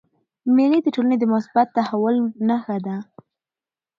مېلې د ټولني د مثبت تحول نخښه ده.